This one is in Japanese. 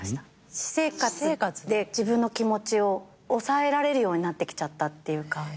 私生活で自分の気持ちを抑えられるようになってきちゃったっていうか。